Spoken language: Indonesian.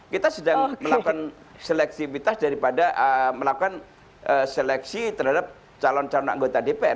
kita sedang melakukan seleksibilitas daripada melakukan seleksi terhadap calon calon anggota dpr